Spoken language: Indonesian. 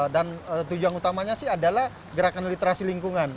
dan tujuan utamanya sih adalah gerakan literasi lingkungan